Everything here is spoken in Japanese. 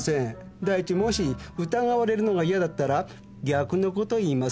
第一もし疑われるのが嫌だったら逆のこと言いますよ。